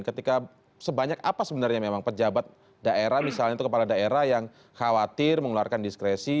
ketika sebanyak apa sebenarnya memang pejabat daerah misalnya atau kepala daerah yang khawatir mengeluarkan diskresi